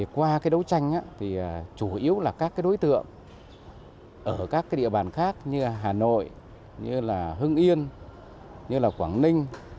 qua đấu tranh chủ yếu là các đối tượng ở các địa bàn khác như hà nội hưng yên quảng ninh